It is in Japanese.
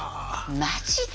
マジで？